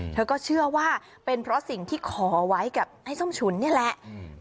เธอก็เชื่อว่าเป็นเพราะสิ่งที่ขอไว้กับไอ้ส้มฉุนนี่แหละ